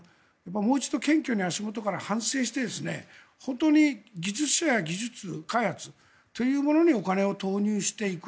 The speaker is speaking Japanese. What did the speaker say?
もう一度足元から反省して本当に技術者や技術開発というものにお金を投入していく。